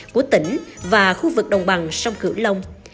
của tỉnh và khu vực đồng bằng sông cửu long